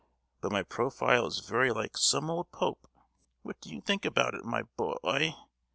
But my profile is very like some old pope. What do you think about it, my bo—oy?"